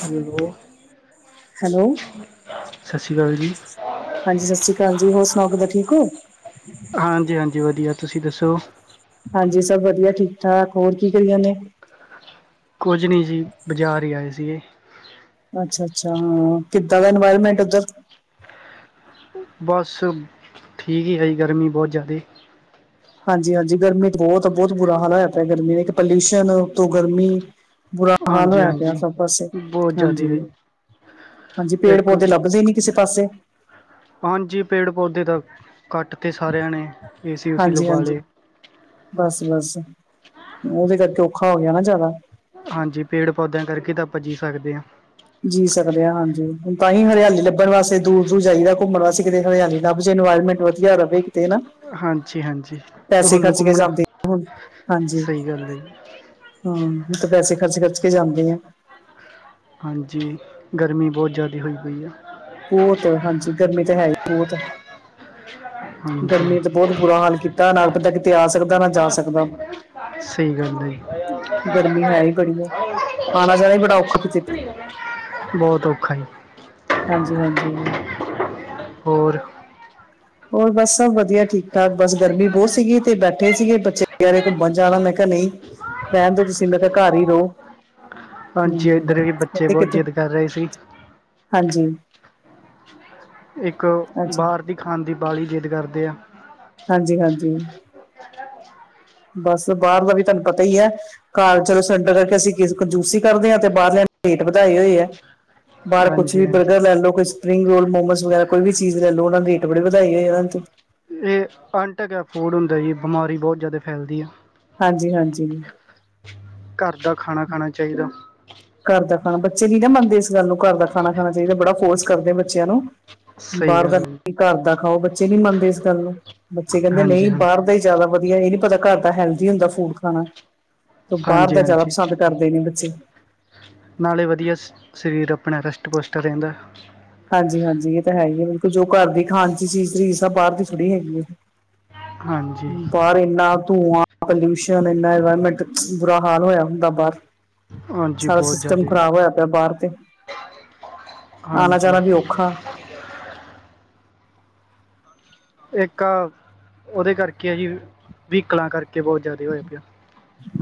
Hello. Hello ਸਤਿ ਸ੍ਰੀ ਅਕਾਲ ਜੀ। ਹਾਂਜੀ, ਸਤਿ ਸ੍ਰੀ ਅਕਾਲ ਜੀ ਹੋਰ ਸੁਣਾਓ ਕਿੱਦਾਂ ਠੀਕ ਹੋ। ਹਾਂਜੀ ਹਾਂਜੀ ਵਧੀਆ, ਤੁਸੀਂ ਦੱਸੋ। ਹਾਂਜੀ, ਸਭ ਵਧੀਆ ਠੀਕ ਠਾਕ, ਹੋਰ ਕੀ ਕਰੀ ਜਾਨੇ। ਕੁਝ ਨਹੀਂ ਜੀ ਬਜ਼ਾਰ ਹੀ ਆਏ ਸੀਗੇ। ਅੱਛਾ-ਅੱਛਾ ਹਾਂ, ਕਿੱਦਾਂ ਦਾ ਇਨਵਾਇਰਮੈਂਟ ਉੱਧਰ? ਬਸ ਠੀਕ ਹੀ ਹੈ ਜੀ, ਗਰਮੀ ਬਹੁਤ ਜ਼ਿਆਦੇ। ਹਾਂਜੀ-ਹਾਂਜੀ, ਗਰਮੀ ਬਹੁਤ ਬਹੁਤ ਬੁਰਾ ਹਾਲ ਹੋਇਆ ਪਿਆ, ਗਰਮੀ ਦੇ ਇੱਕ ਪੋਲਿਊਸ਼ਨ ਉੱਤੋਂ ਗਰਮੀ। ਬੁਰਾ ਹਾਲ ਹਾਂਜੀ ਹੋਇਆ ਪਿਆ ਹਾਂਜੀ ਸਭ ਪਾਸੇ ਬਹੁਤ ਜ਼ਿਆਦਾ ਹਾਂਜੀ। ਹੈ ਜੀ ਹਾਂਜੀ ਪੇੜ ਇੱਕ ਪੌਦੇ ਲੱਭਦੇ ਨਹੀਂ ਕਿਸੇ ਪਾਸੇ। ਹਾਂਜੀ ਪੇੜ ਪੌਦੇ ਤਾਂ ਕੱਟ ਤੇ ਸਾਰਿਆਂ ਨੇ ਏਸੀ ਉਸੀ ਲਵਾ ਹਾਂਜੀ-ਹਾਂਜੀ, ਲਏ ਬਸ-ਬਸ। ਉਹਦੇ ਕਰਕੇ ਔਖਾ ਹੋ ਗਿਆ ਨਾ ਜ਼ਿਆਦਾ। ਹਾਂਜੀ, ਪੇੜ ਪੌਦਿਆਂ ਕਰਕੇ ਤਾਂ ਆਪਾਂ ਜੀ ਸਕਦੇ ਹਾਂ। ਜੀ ਸਕਦੇ ਆ ਹਾਂਜੀ। ਹੁਣ ਤਾਂ ਹੀ ਹਰਿਆਲੀ ਲੱਭਣ ਵਾਸਤੇ ਦੂਰ ਦੂਰ ਜਾਈਦਾ, ਘੁੰਮਣ ਵਾਸਤੇ ਕਿਤੇ ਹਰਿਆਲੀ ਲੱਭੇ ਇਨਵਾਇਰਮੈਂਟ ਵਧੀਆ ਰਹੇ। ਨਾ ਹਾਂਜੀ ਹਾਂਜੀ ਪੈਸੇ ਤੁਹਾਨੂੰ ਖਰਚ ਕੇ ਘੁੰਮਣਾ ਜਾਂਦੇ ਹੁਣ ਹਾਂਜੀ। ਸਹੀ ਗੱਲ ਹੈ ਜੀ ਹੂੰ, ਤੇ ਪੈਸੇ ਖਰਚ ਖਰਚ ਕੇ ਜਾਂਦੇ ਆ। ਹਾਂਜੀ, ਗਰਮੀ ਬਹੁਤ ਜ਼ਿਆਦਾ ਹੋਈ ਪਈ ਆ। ਬਹੁਤ ਹਾਂਜੀ ਗਰਮੀ ਤਾਂ ਹੈ ਹੀ ਬਹੁਤ। ਗਰਮੀ ਨੇ ਤੇ ਹਾਂਜੀ ਬਹੁਤ ਬੁਰਾ ਹਾਲ ਕੀਤਾ, ਨਾ ਬੰਦਾ ਕਿਤੇ ਆ ਸਕਦਾ ਨਾ ਜਾ ਸਕਦਾ। ਸਹੀ ਗੱਲ ਏ। ਗਰਮੀ ਹੈ ਹੀ ਬੜੀ ਆ ਆਉਣਾ ਜਾਣਾ ਹੀ ਬੜਾ ਔਖਾ ਕਿਤੇ [unintelligible] ਬਹੁਤ ਔਖਾ ਈ। ਹਾਂਜੀ ਹਾਂਜੀ। ਹੋਰ ਹੋਰ ਬਸ ਸਭ ਵਧੀਆ ਠੀਕ ਠਾਕ, ਬਸ ਗਰਮੀ ਬਹੁਤ ਸੀਗੀ ਤੇ ਬੈਠੇ ਸੀਗੇ, ਬੱਚੇ ਕਹਿ ਰਹੇ ਘੁੰਮਣ ਜਾਣਾ ਮੈਂ ਕਿਹਾ ਨਹੀਂ ਰਹਿਣ ਦੋ ਤੁਸੀਂ, ਮੈ ਕਿਹਾ ਘਰ ਹੀ ਰਹੋ। ਹਾਂਜੀ ਇੱਧਰ ਵੀ ਬੱਚੇ ਕਿ ਬਹੁਤ ਕਿਤੇ, ਜਿੱਦ ਕਰ ਰਹੇ ਸੀ ਹਾਂਜੀ। ਇਕ ਅੱਛਾ ਬਾਹਰ ਦੀ ਖਾਣ ਦੀ ਬਾਲੀ ਜਿਦ ਕਰਦੇ ਆ ਹਾਂਜੀ ਹਾਂਜੀ ਬਸ ਬਾਹਰ ਦਾ ਵੀ ਤੁਹਾਨੂੰ ਪਤਾ ਹੀ ਹੈ। ਘਰ ਚਲੋ ਸਿਲੰਡਰ ਕਰਕੇ ਅਸੀ ਕਂਜੂਸੀ ਕਰਦੇ ਹਾਂ ਤੇ ਬਾਹਰਲਿਆਂ ਰੇਟ ਵਧਾਏ ਹੋਏ ਹੈ। ਬਾਹਰ ਕੁਛ ਹਾਂਜੀ ਵੀ ਹਾਂਜੀ ਬਰਗਰ ਲੈ ਲਓ ਕੁਛ ਸਪਰਿੰਗ ਰੋਲ ਮੋਮਸ ਵਗੈਰਾ ਕੋਈ ਵੀ ਚੀਜ਼ ਲੈ ਲਓ ਉਹ ਨੂੰ ਰੇਟ ਬੜੇ ਵਧਾਈ ਹੋਏ ਇਹਨਾਂ ਇਹ ਆਟੇ ਦੇ ਫੂਡ ਹੁੰਦਾ ਜੀ ਬਿਮਾਰੀ ਬਹੁਤ ਜਿਆਦਾ ਫੈਲਦੀ ਆ ਹਾਂਜੀ ਹਾਂਜੀ ਘਰ ਦਾ ਖਾਣਾ ਖਾਣਾ ਚਾਹੀਦਾ ਘਰ ਦਾ ਖਾਣਾ ਬੱਚੇ ਨਹੀ ਨਾ ਮੰਨਦੇ ਇਸ ਗੱਲ ਨੂੰ ਘਰ ਦਾ ਖਾਣਾ ਖਾਣਾ ਚਾਹੀਦਾ ਬੜਾ ਫੋਰਸ ਕਰਦੇ ਬੱਚਿਆਂ ਨੂੰ ਸਹੀ ਬਾਹਰ ਦਾ ਗੱਲ ਨਹੀ ਹੈ ਘਰ ਦਾ ਖਾਓ ਬੱਚੇ ਨੀ ਮੰਨਦੇ ਇਸ ਗੱਲ ਨੂੰ ਬੱਚੇ ਕਹਿਦੇ ਹਾਂਜੀ ਨਹੀ ਹਾਂਜੀ ਬਾਹਰ ਦਾ ਹੀ ਜ਼ਿਆਦਾ ਵਧੀਆ ਇਹ ਨੀ ਪਤਾ ਘਰ ਦਾ ਹੈਲਦੀ ਹੁੰਦਾ ਫੂਡ ਖਾਣਾ ਤ ਬਾਹਰ ਹਾਂਜੀ ਦਾ ਜ਼ਿਆਦਾ ਹਾਂਜੀ ਪਸੰਦ ਕਰਦੇ ਨੇ ਬੱਚੇ ਨਾਲੇ ਵਧੀਆ ਸਰੀਰ ਆਪਣਾ ਹੀਸਟ ਪੋਸਟ ਰਹਿੰਦਾ ਹਾਂਜੀ- ਹਾਂਜੀ ਇਹ ਤਾਂ ਹੈ। ਹੀ ਹੈ। ਬਿਲਕੁਲ ਜੋ ਘਰ ਦੀ ਖਾਣ ਚ' ਚੀਜ਼ ਬਾਹਰ ਦੀ ਥੋੜ੍ਹੀ ਹੈਗੀ ਹੈ। ਹਾਂਜੀ ਬਾਹਰ ਇਨਾ ਧੂੰਆਂ ਪੋਲੂਸ਼ਨ ਇਨਾ ਇਨਵਾਇਰਮੈਂਟ ਬੁਰਾ ਹਾਲ ਹੋਇਆ ਹੁੰਦਾ ਬਾਹਰ ਹਾਂਜੀ ਸਾਰਾ ਬਹੁਤ ਸਿਸਟਮ ਜ਼ਿਆਦਾ ਖਰਾਬ ਹੋਇਆ ਪਿਆ ਬਾਹਰ ਤੇ ਹਾਂਜੀ। ਜਰਾ ਵੀ ਔਖਾ- ਇਕ ਉਹਦੇ ਕਰਕੇ ਆ ਜੀ ਵਾਹੀਕਲ ਕਰਕੇ ਬਹੁਤ ਜਿਆਦਾ ਹੋਇਆ ਪਿਆ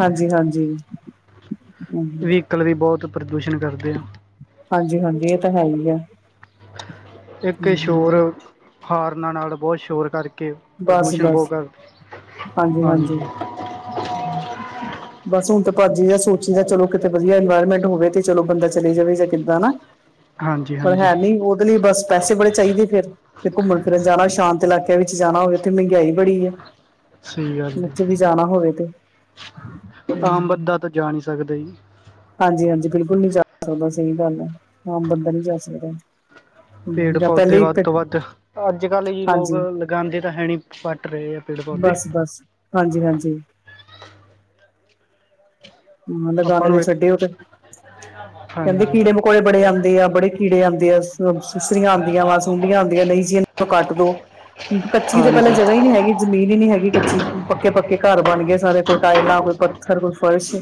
ਹਾਂਜੀ, ਹਾਂਜੀ। ਵਾਹੀਕਲ ਵੀ ਬਹੁਤ ਪ੍ਰਦੂਸ਼ਣ ਕਰਦੇ ਆ ਹਾਂਜੀ- ਹਾਂਜੀ ਇਹ ਤਾਂ ਹੈ। ਹੀ ਆ ਇਕ ਹੂੰ ਸ਼ੋਰ ਹੋਰਨਾਂ ਨਾਲ ਬਹੁਤ ਸ਼ੋਰ ਕਰਕੇ ਕਿ ਪ੍ਰਦੂਸ਼ਣ ਬਹੁਤ ਬਸ-ਬਸ ਕਰ, ਹਾਂਜੀ ਬਸੋ ਭਾਜੀ ਜਾਂ ਸੋਚੀ ਦਾ ਚਲੋ ਕਿਤੇ ਵਧੀਆ ਇਨਵਾਇਰਮੈਂਟ ਹੋਵੇ ਤੇ ਚਲੋ ਬੰਦਾ ਚਲੀ ਜਾਵੇ ਜਾਂ ਕਿਦਾਂ ਹਨਾ। ਹਾਂਜੀ ਪਰ ਹਾਂਜੀ ਹੈ ਨ ਉਹਦੇ ਲਈ ਬਸ ਪੈਸੇ ਬੜੇ ਚਾਹੀਦੇ ਫੇਿਰ ਤੇ ਘੁੰਮਣ ਫਿਰਨ ਜਾਣਾ ਸ਼ਾਂਤ ਇਲਾਕ ਵਿਚ ਜਾਣਾ ਹੋਵੇ ਤੇ ਮਹਿੰਗਾਈ ਬੜੀ ਹੈ। ਸਹੀ ਗੱਲ ਜਿਥੇ ਹੈ ਵੀ ਜਾਣਾ ਹੋਵੇ ਤੇ ਆਮ ਬੰਦਾ ਤਾਂ ਜਾ ਨਹੀਂ ਸਕਦਾ ਜੀ ਹਾਂਜੀ ਹਾਂਜੀ ਬਿਲਕੁਲ ਨੀ ਜਾ ਸਕਦਾ ਸਹੀ ਗੱਲ ਹੈ। ਆਮ ਬੰਦਾ ਨੀ ਜਾ ਸਕਦਾ ਪੇੜ ਜਾਂ ਪੋਦੇ ਪਹਿਲੇ ਹੀ ਵੱਧ ਤੋਂ ਵੱਧ ਆਜ ਕਲ ਹੀ ਲੋਕ ਹਾਂਜੀ ਲਗਾਉਦੇ ਏ ਹੀ ਪਟ ਰਹੇ ਆ ਪੇੜ ਪੋਦੇ ਬਸ ਬਸ ਹਾਂਜੀ ਹਾਂਜੀ ਹਾਂ। ਆਪਾਂ ਲਗੇ ਨੂੰ ਤੇ ਛੱਡੇ ਓਤੇ [inaudible] ਕਹਿਦੇ ਕੀੜੇ ਮਕੌੇੜੇ ਆਉਂਦੇ ਆ ਬੜੇ ਕੀੜੇ ਆਉਂਦੇ ਆ ਸੁਸਰੀਆਂ ਆਉਂਦੀਆਂ ਸੁੰਡੀਆਂ ਆਉਂਦੀਆਂ ਨਹੀ ਜ ਕੱਟ ਦੋ- ਕੱਚੀ ਤੇ ਪਹਿਲੇ ਹਾਂਜੀ ਜਗ੍ਹਾ ਹੀ ਨੀ ਹੈਗੀ ਜ਼ਮੀਨ ਹੀ ਨੀ ਹੈਗੀ ਕੱਚੀ ਪੱਕੇ- ਪੱਕੇ ਘਰ ਬਣ ਗਏ ਸਾਰੇ ਕੋਈ ਟਾਇਲਾਂ ਕੋ ਪੱਥਰ ਕੋਈ ਫਰਸ਼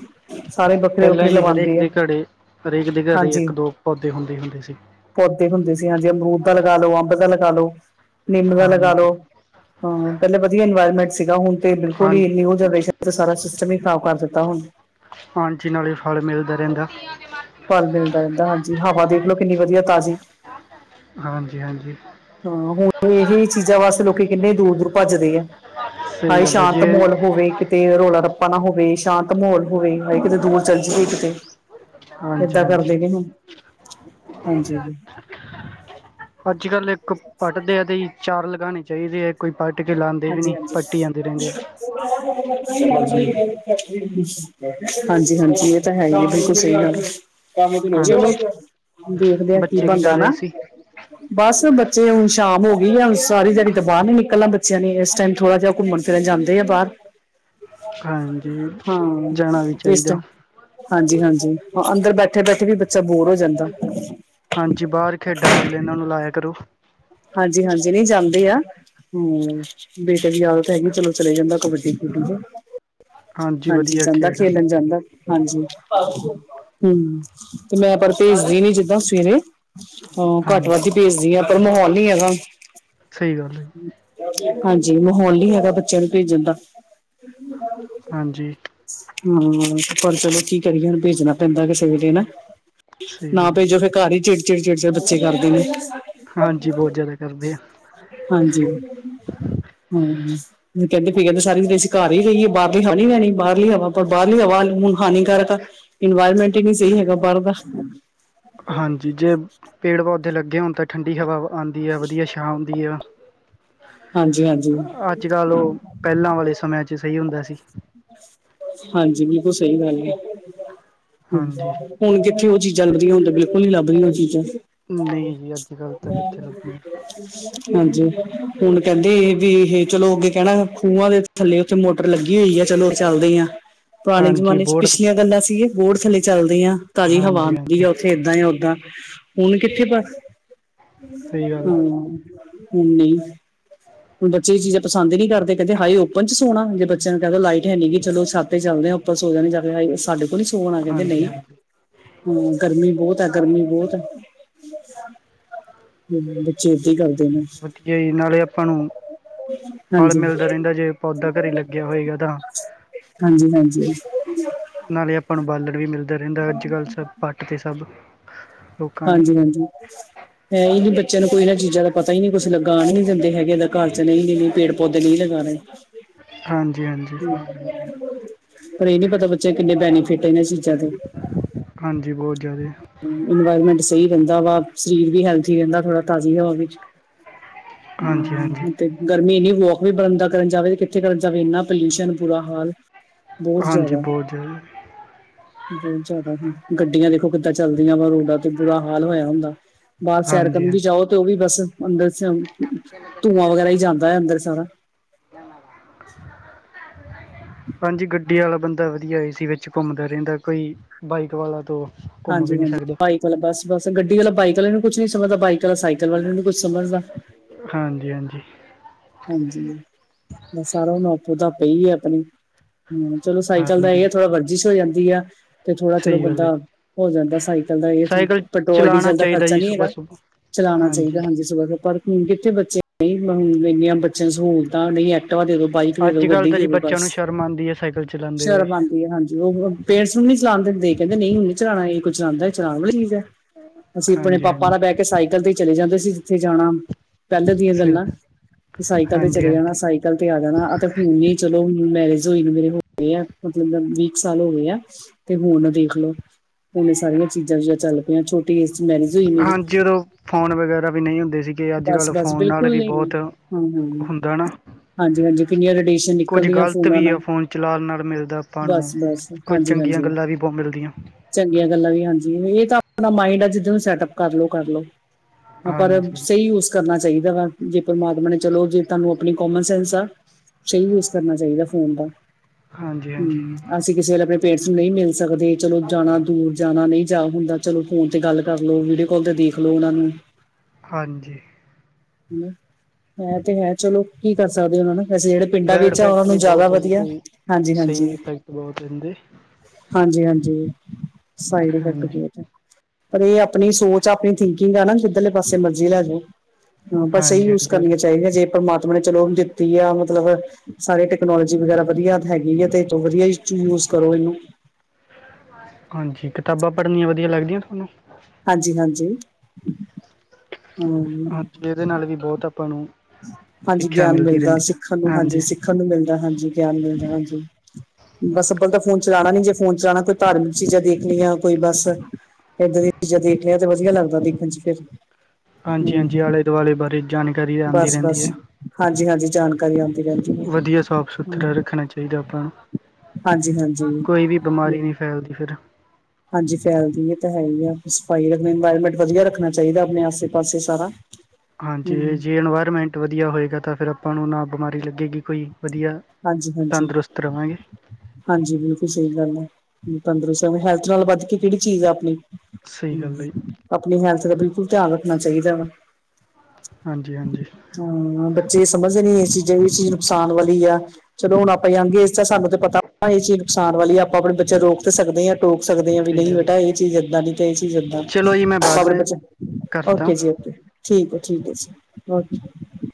ਸਾਰੇ ਵੱਖਰੇ ਪਹਿਲਾਂ ਵੱਖਰੇ ਜੀ ਹਰੇਕ ਲਵਾਉਂਦੇ ਆ ਦੇ ਘਰੇ ਹਰੇਕ ਦੇ ਘਰ ਇਕ ਦੋ ਪੈਏ ਹੁੰਦੇ- ਹੁੰਦੇ ਸੀ। ਪੋਦੇ ਹੁੰਦੇ ਸੀ ਹਾਂ। ਜੇ ਅਮਰੂਦ ਦਾ ਲਗਾ ਲਓ, ਅੰਬ ਦਾ ਲਗਾ ਲੋ, ਨਿਮ ਦਾ ਲਗਾ ਹਾਂਜੀ ਲਓ ਹਾਂ। ਪਹਿਲੇ ਵਧੀਆ ਇਨਵਾਇਰਮੈਂਟ ਸੀਗਾ ਹੁਣ ਤੇ ਬਿਲਕੁਲ ਹਾਂ ਹੀ ਨਊ ਜਨਰੇਸਨ ਸਾਰਾ ਸਿਸਟਮ ਹੀ ਸਾਫਕਰ ਦਿੱਤਾ ਹੁਣ- ਹਾਜੀ ਨਾਲ ਹੀ ਫਲ ਮਿਲਦਾ ਰਹਿਦਾ ਫਲ ਮਿਲਦਾ ਰਹਿੰਦਾ ਹਾਂਜੀ। ਹਵਾ ਦੇਖ ਲੋ ਕਿਨੀ ਵਧੀਆ ਤਾਜ਼ੀ ਹਾਂਜੀ ਹਾਂਜੀ। ਹਾਂ। ਹੁਣ ਇਹਹੀ ਚੀਜ਼ਾਂ ਵਾਸਤੇ ਲੋਕੀ ਕਿਨੇ ਦੂਰ- ਦੂਰ ਭੱਜਦੇ ਐ। ਸਹੀ ਹਾਏ ਗੱਲ ਹੈ ਸ਼ਾਂਤ ਜੀ ਮਾਹੋਲ ਹੋਵੇ ਕਿਤੇ ਰੋਲਾ ਰਪਾ ਨਾ ਹੋਵੇ ਸ਼ਾਂਤ ਘਲਮੋਲ ਹੋ ਗਈ ਹਏ ਕਿਤੇ ਦੂਰ ਚਲ ਜਾਈਏ ਕਿਤੇ ਹਾਂਜੀ ਇਦਾਂ ਹਾਂਜੀ ਕਰਦੇ ਗ ਹੁਣ, ਹਾਂਜੀ ਅੱਜ ਕੱਲ੍ਹ ਪੱਟਦੇ ਆ ਤੇ ਚਾਰ ਲਗਾਉਣੇ ਚਾਹੀਦੇ ਹੈ ਕੋਈ ਪੱਟ ਕੇ ਲਾਉਂਦੇ ਵੀ ਹਾਂਜੀ ਨਹੀਂ ਹਾਂਜੀ ਪੱਟੀ ਜਾਂਦੇ ਰਹਿੰਦੇ ਆ ਹਾਂਜੀ ਹਾਂਜੀ ਇਹ ਤਾਂ ਹੈ ਹੀ ਹੈ ਬਿਲਕੁਲ ਸਹੀ ਹਾਂਜੀ ਗੱਲ ਦੇਖਦੇ ਆ ਕੀ ਬੱਚੇ ਕਰ ਬਣਦਾ ਨਾ ਰਹੇ ਸੀ ਬਸ ਬੱਚੇ ਹੁਣ ਸ਼ਾਮ ਹੋ ਗਈ ਹੂਣ ਸਾਰੀ ਜਾਣੀ ਤੋਂ ਬਾਹਰ ਨੀ ਨਿਕਲਣਾ ਬ ਬੱਚਿਆਂ ਨੇ ਇਸ ਟਾਈਮ ਥੋੜਾ ਜਿਹਾ ਘੁੰਮਣ ਫਿਰਨ ਜਾਂਦੇ ਆ ਬਾਹਰ ਹਾਂਜੀ ਹਾਂ। ਜਾਣਾ ਵੀ ਇਸ ਚਾਹੀਦਾ ਟਾਈਮ ਹਾਂਜੀ -ਹਾਂਜੀ ਹਾਂ। ਅੰਦਰ ਬੈਠੇ ਬੈਠੇ ਵੀ ਬੱਚਾ ਬੋਰ ਹੋ ਜਾਂਦਾ ਹਾਂਜੀ। ਬਾਹਰ ਖੇਡਾਂ ਵੇ ਇਹਨਾਂ ਨੂੰ ਲਾਇਆ ਕਰੋ। ਹਾਂਜੀ ਹਾਂਜੀ ਨਹੀਂ ਜਾਂਦੇ ਆ ਹਮ ਬੇਟੇ ਦੀ ਆਦਤ ਹੈਗੀ ਚਲੋ ਚਲੇ ਜਾਂਦਾ ਕਬੱਡੀ ਕਬੱਡੀ ਚ ਹਾਂਜੀ ਵਧੀਆ ਜਾਂਦਾ ਖੇਡ ਖੇਲਣ ਜਾਂਦਾ ਹਾਂਜੀ ਹਮ, ਤੇ ਮੈਂ ਪਰ ਭੇਜਦੀ ਨੀ ਜਿੱਦਾਂ ਸਵੇਰੇ ਹਾਂ ਘੱਟ ਹਾਂਜੀ ਵੱਧ ਹੀ ਭੇਜਦੀ ਆ, ਪਰ ਮਾਹੌਲ ਨੀ ਹੈਗਾ। ਸਹੀ ਗੱਲ ਹੈ ਹਾਂਜੀ ਮਾਹੌਲ ਨੀ ਹੈਗਾ ਬੱਚਿਆਂ ਨੂੰ ਭੇਜਣ ਦਾ। [unintelligible] ਹਾਂਜੀ ਹਾਂ ਪਰ ਚਲੋ ਕੀ ਕਰੀਏ ਹੁਣ? ਭੇਜਣਾ ਪੈਂਦਾ ਕਿਸੇ ਵੇਲੇ ਨਾ। ਸਹੀ ਨਾ ਗੱਲ ਹੈ ਭੇਜੋ ਫਿਰ ਘਰ ਹੀ ਚਿੜ-ਚਿੜ-ਚਿੜ-ਚਿੜ ਬੱਚੇ ਕਰਦੇ ਨੇ। ਹਾਂਜੀ ਬਹੁਤ ਜ਼ਿਆਦਾ ਕਰਦੇ ਆ। ਹਾਂਜੀ ਹਾਂ। ਕਹਿੰਦੇ ਫਿਰ ਕਹਿੰਦੇ ਸਾਰੀ [unintelligible] ਅਸੀਂ ਘਰ ਹੀ ਰਹੀਏ, ਬਾਹਰਲੀ ਖਾਣੀ ਪੈਣੀ, ਬਾਹਰਲੀ ਹਵਾ ਪਰ ਬਾਹਰਲੀ ਹਵਾ ਹੁਣ ਹਾਨੀਕਾਰਕ ਇਨਵਾਇਰਮੈਂਟ ਹੀ ਨਹੀਂ ਸਹੀ ਹੈਗਾ ਬਾਹਰ ਦਾ। ਹਾਂਜੀ ਜੇ ਪੇੜ ਪੌਦੇੇ ਲੱਗੇ ਹੋਣ ਤਾਂ ਠੰਡੀ ਹਵਾ ਵ ਆਉਂਦੀ ਆ ਵਧੀਆ ਛਾ ਆਉਂਦੀ ਆ। ਹਾਂਜੀ ਹਾਂਜੀ ਅੱਜ ਕੱਲ ਉਹ ਪਹਿਲਾਂ ਵਾਲੇ ਸਮਿਆਂ ਚ ਸਹੀ ਹੁੰਦਾ ਸੀ। ਹਾਂਜੀ ਬਿਲਕੁਲ ਸਹੀ ਗੱਲ ਹੈ। ਹਾਂਜੀ ਹੁਣ ਜਿ ਉੱਥ ਉਹ ਚੀਜ਼ ਲੱਬਦੀਆਂ ਹੁਨ ਤੇ ਬਿਲਕੁਲ ਨ ਲੱਭਦੀਆਂ ਉਹ ਚੀਜਾ ਨਹੀਂ ਜੀ ਅੱਜ ਕੱਲ੍ਹ ਤਾਂ ਕਿੱਥੇ ਲੱਗਣੀ ਹਾਂਜੀ। ਹੁਣ ਕਹਿੰਦੇ ਵੀ ਇਹ ਚਲੋ ਅੱਗੇ ਕਹਿਣਾ ਖੂਹਾਂ ਦੇ ਥੱਲੇ ਉੱਥੇ ਮੋਟਰ ਲੱਗੀ ਹੋਈ ਹੈ। ਚਲੋ ਚੱਲਦੇ ਆ ਪੁਰਾਣੇ ਹਾਂਜੀ ਜਮਾਨੇ ਚ ਬੋਰਡ ਪਿਛਲੀਆਂ ਗੱਲਾਂ ਸੀਆਂ ਬੋਰਡ ਥੱਲੇ ਚੱਲਦੇ ਤਾਜ਼ੀ ਹਵਾ ਹਾਂਜੀ ਹੁੰਦੀ ਹਾਂਜੀ ਆ ਉੱਥੇ ਏਦਾਂ ਹੀ ਓਦਾਂ ਹੁਣ ਕਿੱਥੇ ਪਰ, ਸਹੀ ਗੱਲ ਹੂ ਹੂ ਨਹੀਂ ਹੁਣ ਬੱਚੇ ਇਹ ਚੀਜ਼ਾਂ ਪਸੰਦ ਨਹੀਂ ਕਰਦੇ, ਕਹਿੰਦੇ ਹਾਏ ਓਪਨ ਚ ਸੋਹਣਾ, ਜੇ ਬੱਚਿਆਂ ਨੂੰ ਕਹਿ ਦੋ ਲਾਈਟ ਹੈਨੀ ਕਿ ਚਲੋ ਛੱਤ ਤੇ ਚੱਲਦੇ ਆਪਾਂ ਸੋ ਜਾਣੇ ਜਾ ਕੇ ਹਾਏ ਸਾਡੇ ਕੋਲ ਹੀ ਸੋਣਾ, ਕਹਿੰਦੇ ਹਾਂਜੀ ਨਹੀਂ, ਹਾਂਜੀ ਹਮ ਗਰਮੀ ਬਹੁਤ ਹੈਂ ਗਰਮੀ ਬਹੁਤ ਹੈ ਬੱਚੇ ਹੀ ਕਰਦੇ ਨੇ ਵਧੀਆ ਜੀ, ਨਾਲੇ ਆਪਾਂ ਨੂੰ ਫਲ ਹਾਂਜੀ, ਮਿਲਦਾ ਰਹਿੰਦਾ ਜੇ ਪੌਦਾ ਘਰੇ ਲੱਗਿਆ ਹੋਏਗਾ ਤਾਂ। ਹਾਂਜੀ-ਹਾਂਜੀ। ਨਾਲੇ ਆਪਾਂ ਨੂੰ ਬਾਲਣ ਵੀ ਮਿਲਦਾ ਰਹਿੰਦਾ, ਅੱਜ ਕੱਲ੍ਹ ਸਬ ਪੱਟ ਤੇ ਸਭ ਲੋਕਾਂ ਨੇ ਹਾਂਜੀ-ਹਾਂਜੀ ਹੈ ਹੀ ਨਹੀਂ ਬੱਚਿਆਂ ਨੂੰ। ਕੋਈ ਇਹਨਾਂ ਚੀਜ਼ਾਂ ਦਾ ਪਤਾ ਹੀ ਨਹੀਂ ਕੁਛ ਲਗਾ। ਆਹਨ ਹੀ ਨੀ ਦਿੰਦੇ ਹੈਗੇ ਏਹ ਤਾਂ ਘਰ ਚ, ਨਹੀਂ-ਨਹੀਂ-ਨਹੀਂ ਪੇੜ ਪੌਦੇ ਨਹੀਂ ਲਗਾਣੇ। ਹਾਂਜੀ ਹਾਂਜੀ ਪਰ ਇਹ ਨੀ ਪਤਾ ਬੱਚੇ ਨੂੰ ਕਿੰਨੇ ਬੈਨੀਫਿਟ ਏ ਇਹਨਾਂ ਚੀਜ਼ਾਂ ਦੇ ਹਾਂਜੀ ਬਹੁਤ ਜ਼ਿਆਦਾ। ਇਨਵਾਇਰਮੈਂਟ ਸਹੀ ਰਹਿੰਦਾ ਵਾ, ਸਰੀਰ ਵੀ ਹੈਲਥੀ ਰਹਿੰਦਾ ਥੋੜਾ ਤਾਜ਼ੀ ਹਵਾ ਵਿੱਚ। ਹਾਂਜੀ ਹਾਂਜੀ ਹਮ ਤੇ ਗਰਮੀ ਨੀ ਵੋ ਵੀ ਬਰੰਦਾ ਕਰਨ ਜਾਵੇ ਤੇ ਕਿੱਥੇ ਕਰਨ ਜਾਵੇ? ਇੰਨਾ ਪੋਲਿਊਸ਼ਨ ਬੂਰਾ ਹਾਲ। ਬਹੁਤ ਹਾਂਜੀ ਜ਼ਿਆਦਾ ਬਹੁਤ ਜ਼ਿਆਦਾ। ਬਹੁਤ ਜ਼ਿਆਦਾ ਹ ਗੱਡੀਆਂ ਦੇਖੋ ਕਿੱਦਾਂ ਚੱਲਦੀਆਂ ਵਾ, ਰੋਡਾਂ ਤੇ ਬੁਰਾ ਹਾਲ ਹੋਇਆ ਹੁੰਦਾ। ਬਾਹਰ ਸੈਰ ਹਾਂਜੀ ਕਰਨ ਹਾਂ ਵੀ ਜਾਓ, ਤੇ ਉਹ ਵੀ ਬਸ ਅੰਦਰ ਧੂੰਆਂ ਵਗੈਰਾ ਹੀ ਜਾਂਦਾ ਹੈ ਅੰਦਰ ਸਾਰਾ। ਹਾਂਜੀ ਗੱਡੀ ਵਾਲਾ ਬੰਦਾ ਵਧੀਆ ਏ ਸੀ ਵਿੱਚ ਘੁੰਮਦਾ ਰਹਿੰਦਾ, ਕੋਈ ਬਾਈਕ ਵਾਲਾ ਤੋਂ ਘੁੰਮ ਵੀ ਨਹੀਂ ਹਾਂਜੀ-ਹਾਂਜੀ ਸਕਦਾ ਬਾਈਕ ਵਾਲਾ ਬਸ-ਬਸ ਗੱਡੀ ਵਾਲਾ ਬਾਈਕ ਵਾਲੇ ਨੂੰ ਕੁਛ ਨੀ ਸਮਝਦਾ, ਬਾਈਕ ਕ ਸਾਈਕਲ ਵਾਲੇ ਨੂੰ ਨਹੀਂ ਕੁੱਛ ਸਮਝਦਾ। ਹਾਂਜੀ ਹਾਂਜੀ ਹਾਂਜੀ, ਬਸ ਸਾਰਾ ਉਹਨੂੰ ਆਪੋ ਤਾਂ ਪਈ ਆ ਆਪਣੀ। ਹਮ ਚਲੋ ਸਾਈਕਲ ਦਾ ਇਹ ਹਾਂਜੀ ਆ ਥੋੜ੍ਹਾ ਵਰਜਿਸ਼ ਹੋ ਜਾਂਦੀ ਆ। ਤੇ ਥੋੜਾ ਚਲੋ ਸਹੀ ਗੱਲ ਹੈ ਬੰਦਾ ਜੀ ਹੋ ਜਾਂਦਾ ਸਾਈਕਲ ਦਾ ਇਹ ਜੀ ਸਾਈਕਲ ਪੈਟਰੋਲ, ਚਲਾਉਣਾ ਡੀਜ਼ਲ ਦਾ ਚਾਹੀਦਾ ਖਰਚਾ ਜੀ ਨਹੀਂ ਹੈਗਾ। ਸੁਬਾਹ ਸੁਬਾਹ ਚਲਾਉਣਾ ਚਾਹੀਦਾ ਹਾਂਜੀ ਸਵੇਰੇ ਪਰ ਹੁਣ ਕਿੱਥੇ ਬੱਚੇ ਨਹੀਂ ਮ ਇੰਨੀਆਂ ਬੱਚਿਆਂ ਨੂੰ ਸਹੂਲਤਾਂ, ਨਹੀਂ ਐਕਟੀਵਾ ਦੇ ਦੋ, ਬਾਈਕ ਦੇ ਦੋ, ਅੱਜ ਕੱਲ੍ਹ ਗੱਡੀ ਤਾਂ ਦੇ ਜੀ ਦੋ ਬੱਚਿਆਂ ਬੱਸ। ਨੂੰ ਸ਼ਰਮ ਆਉਂਦੀ ਹੈ ਸਾਈਕਲ ਚਲਾਉਂਦੇ ਹੋਏ ਸ਼ਰਮ ਆਉਂਦੀ ਹੈ ਹਾਂਜੀ, ਉਹ ਹੁਣ ਪੇਟਸ ਨੂੰ ਨੀ ਚਲਾਉਣ ਦਿੰਦੇ, ਕਹਿੰਦੇ ਨਹੀਂ ਹੁਣ ਨੀ ਚਲਾਉਣਾ ਏ। ਕੋਈ ਚਲਾਉਦਾ ਹੈ, ਚਲਾਉਣ ਵਾਲੀ ਚੀਜ਼ ਹੈ, ਅਸੀਂ ਆਪਨੇ ਹਾਂਜੀ ਪਾਪਾ ਹਾਂਜੀ ਨਾਲ ਬਹਿ ਕੇ ਸਾਈਕਲ ਤੇ ਚਲੇ ਜਾਂਦੇ ਸੀ। ਜਿੱਥੇ ਜਾਣਾ ਪਹਿਲੇ ਦੀਆਂ ਸਹੀ ਗੱਲਾਂ ਤੇ ਸਾਈਕਲ ਤੇ ਹਾਂਜੀ ਚਲੇ ਜਾਣਾ, ਹਾਂਜੀ ਸਾਈਕਲ ਤੇ ਆ ਜਾਣਾ, ਆਂ ਤੇ ਹੁਨ ਹੀ ਚਲੋ ਹੁ ਮੈਰਿਜ ਹੋਈ ਨੂੰ ਮੇਰੇ ਹੋ ਗਏ ਆ, ਮਤਲਬ ਵੀਹ ਕੁ ਸਾਲ ਹੋ ਗਏ ਆ, ਤੇ ਹੁਣ ਦੇਖਲਓ। ਹੁਣ ਏਹ ਸਾਰੀਆਂ ਚੀਜ਼ਾਂ ਵੀਜ਼ਾ ਚੱਲ ਪਈਆਂ, ਛੋਟੀ ਏ ਹਾਂਜੀ ਉਦੋਂ ਫੋਨ ਵਗੈਰਾ ਵੀ ਨਹੀਂ ਹੁੰਦੇ ਸੀ਼। ਕਿ ਅੱਜ ਬਸ ਕੱਲ ਬਸ ਫੋਨ ਨਾਲ ਬਿਲਕੁਲ ਵੀ ਨਹੀਂ ਬਹੁਤ ਹਾਂ ਹਾਂ ਹੁੰਦਾ ਨਾ ਹਾਂਜੀ ਹਾਂਜੀ ਕਿੰਨੀਆਂ ਰੇਡੀਏਸ਼ਨ ਕੁਝ ਨਿਕਲਦੀਆਂ ਗਲਤ ਫੋਨਾਂ ਵੀ ਨਾਲ ਆ ਫੋਨ ਚਲਾਉਣ ਨਾਲ ਮਿਲਦਾ ਆਪਾਂ ਨੂੰ ਬਸ ਬਸ ਕੁਝ ਹਾਂਜੀ ਚੰਗੀ ਹਾਂਜੀ ਗੱਲਾਂ ਵੀ ਬਹੁਤ ਮਿਲਦੀਆਂ ਚੰਗੀਆਂ ਗੱਲਾਂ ਵੀ ਹਾਂਜੀ ਇਹ ਤਾਂ ਆਪਣਾ ਮਾਇੰਡ ਆ ਜਿਹਦੇ ਨੂੰ ਸੈਟਅਪ ਕਰ ਲਓ, ਕਰਲਓ ਪਰ ਹਾਂਜੀ ਸਹੀ ਯੂਜ ਕਰਨਾ ਸਹੀ ਤਰ੍ਹਾਂ ਜੇ ਪਰਮਾਤਮਾ ਨੇ ਚਲੋ ਜੇ ਤੁਹਾਨੂੰ ਆਪਣੀ ਕੋਮਨ ਸੈਂਸ ਆ ਸਹੀ ਯੂਜ ਕਰਨਾ ਚਾਹੀਦਾ ਫੋਨ ਦਾ ਹਾਂਜੀ ਹਾਂਜੀ ਹਮ ਅਸੀਂ ਕਿਸੇ ਵੇਲੇ ਆਪਣੇ ਪੇਟਸ ਨੂੰ ਨਹੀਂ ਮਿਲ ਸਕਦੇ ਚਲੋ ਜਾਣਾ ਦੂਰ ਜਾਣਾ ਨਹੀਂ ਜਾ ਹੁੰਦਾ ਚਲੋ ਫੋਨ ਤੇ ਗੱਲ ਕਰਲੋ ਵੀਡੀਓ ਕੋਲ ਤੇ ਦੇਖ ਲੋੋ ਉਹਨਾਂ ਨੂੰ ਹਾਂਜੀ। ਹ ਹੈ ਤੇ ਹੈ ਚਲੋ ਕੀ ਕਰ ਸਕਦੇ ਉਹਨਾ ਨੂੰ? ਵੈਸੇ ਜਿਹੜੇ ਪਿੰਡਾਂ ਬੈਡ ਵਿੱਚ ਆ, ਉਹਨਾਂ ਇਫੈਕਟ ਨੂੰ ਵੀ ਜ਼ਿਆਦਾ ਬਹੁਤ ਹੈ ਜੀ ਵਧੀਆ ਕੋਈ ਹਾਂਜੀ-ਹਾਂਜੀ ਸਹੀ ਇਫੈਕਟ ਬਹੁਤ ਇਹਦੇ ਹਾਜੀ-ਹਾਂਜੀ, ਸਾਈਡਈਫੈਕਟ ਹਾਂਜੀ [unintelligible] ਪਰ ਇਹ ਆਪਣੀ ਸੋਚ, ਆਪਣੀ ਥਿੰਕਿੰਗ ਆ ਨਾ, ਜਿੱਧਰਲੇ ਪਾਸੇ ਮਰਜ਼ੀ ਲੈ ਜਾਓ। ਹਾਂ ਬਸ ਇਹੀ ਹਾਂਜੀ ਯੂਜ ਹਾਂਜੀ ਉਹ ਕਰਨੀਆਂ ਤਾਂ ਚਾਹੀਦੀਆਂ ਜੇ ਪਰਮਾਤ ਨੇ ਚਲੋ ਦਿੱਤੀ ਆ ਮਤਲਬ ਸਾਰੇ ਟੈਕਨੋਲੋਜੀ ਵਗੈਰਾ ਵਧੀਆ ਹੈਗੀ ਆ ਤੇੋਂ ਵਧੀਆ ਚੁਜ ਕਰੋ ਇਹਨੂੰ ਹਾਂਜੀ ਕਿਤਾਬਾਂ ਪੜਨੀਆਂ ਵਧੀਆ ਲੱਗਦੀਆਂ ਤੁਹਾਨੂੰ ਹਾਂਜੀ, ਹਾਂਜੀ ਹਾਂ ਹਾਂਜੀ ਇਹਦੇ ਨਾਲ ਵੀ ਬਹੁਤ ਆਪਾਂ ਨੂੰ ਹਾਂਜੀ ਸਿੱਖਿਆ ਗਿਆਨ ਮਿਲਦੀ ਮਿਲਦਾ ਰਹਿੰਦੀ ਹੈ ਸਿੱਖਣ ਨੂੰ ਹਾਂਜੀ ਸਿੱਖਣ ਨੂੰ ਮਿਲਦਾ ਹਾਂਜੀ ਗਿਆਨ ਮਿਲਦਾ ਹਾਂਜੀ। ਬਸ ਅੱਬਲ ਤਾਂ ਫੋਨ ਚਲਾਉਣਾ ਨੀ ਜੇ ਫੋਨ ਚਲਾਉਣਾ ਕੋਈ ਧਾਰਮਿਕ ਚੀਜ਼ਾਂ ਦੇਖਣੀਆਂ ਕੋਈ ਬਸ ੱਦਾਂ ਦੀਆਂ ਚੀਜ਼ਾਂ ਦੇਖ ਲਿਆ ਤੇ ਵਧੀਆ ਲੱਗਦਾ ਦੇਖਣ ਚ ਫਿਰ ਹਾਂਜੀ, ਹਮ ਹਾਂਜੀ ਆਲੇ ਦੁਆਲੇ ਬਾਰੇ ਜਾਣਕਾਰੀ ਰ ਬਸ ਰਹਿੰਦੀ ਬਸ ਹੈ ਹਾਂਜੀ ਹਾਂਜੀ ਜਾਣਕਾਰੀ ਆਉਂਦੀ ਰਹਿੰਦੀ ਹੈ ਵਧੀਆ ਸਾਫ ਸੁਥਰਾ ਰੱਖਣਾ ਚਾਹੀਦਾ ਆਪਾਂ ਨੂੰ ਹਾਂਜੀ, ਹਾਂਜੀ, ਕੋਈ ਵੀ ਬਿਮਾਰੀ ਨਹੀਂ ਫੈਲਦੀ ਫਿਰ ਹਾਂਜੀ ਫੈਲਦੀ ਹੈ ਤਾਂ ਹੈ ਹੀ ਆ ਸਫਾਈ ਰੱਖਣੀ ਇਨਵਾਇਰਮੈਂਟ ਵਧੀਆ ਰੱਖਣਾ ਚਾਹੀਦਾ ਆਪਣੇ ਆਸੇ ਪਾਸੇ ਸਾਰਾ ਹੂੰ ਹਾਂਜੀ ਜੇ ਇਨਵਾਇਰਮੈਂਟ ਵਧੀਆ ਹੋਏਗਾ ਤਾਂ ਫਿਰ ਆਪਾਂ ਨੂੰ ਨਾ ਬਿਮਾਰੀ ਲ ਹਾਂਜੀ, ਹਾਂਜੀ, ਤੰਦਰੁਸਤ ਰਵਾਂਗੇ ਹਾਂਜੀ ਬਿਲਕੁਲ ਸਹੀ ਗੱਲ ਆ ਪੰਦਰ ਸੌ ਹੈਲਥ ਨਾਲ ਵੱਧ ਕੇ ਕਿਹੜੀ ਚੀਜ਼ ਆ ਆਪਣੀ ਸਹੀ ਗੱਲ ਹੈ ਜੀ ਹ ਆਪਣੀ ਹੈਲਥ ਦਾ ਬਿਲਕੁਲ ਧਿਆਨ ਰੱਖਣਾ ਚਾਹੀਦਾ ਵਾ ਹਾਂਜੀ, ਹਾਂਜੀ ਹਾਂ ਬੱਚੇ ਇਹ ਸਮਝਦੇ ਨੀ ਇਹ ਚੀਜ਼ਾਂ ਚੀਜ਼ ਨੁਕਸਾਨ ਵਾਲੀ ਆ ਚਲੋ ਹੁਣ ਆਪਾਂ ਆਗੇ ਇਸ ਤਾਂ ਸਾਨੂੰ ਤੇ ਪਤਾ ਇਹ ਚੀਜ਼ ਨੁਕਸਾਨ ਵਾਲੀ ਆ ਆਪਾਂ ਆਪਣੇ ਬੱਚੇ ਨੂੰ ਰੋਕ ਸਕਦੇ ਹਾਂ ਟੋਕ ਸਕਦੇ ਹਾਂ ਵੀ ਸਹੀ ਨਹੀਂ ਗੱਲ ਹੈ ਬੇਟਾ ਇਹ ਚੀਜ਼ ਏਦਾਂ ਦੀ ਗਏ ਸੀ ਜਿਦਾਂ ਚਲੋ ਜੀ ਮੈਂ ਬਾਅਦ ਸਾਰੇ ਮੈਂ ਬੱਚੇ ਕਰਤਾ ਓਕੇ ਜੀ ਓਕੇ ਠੀਕ ਠੀਕ ਜੀ। ਵਾਗੇ।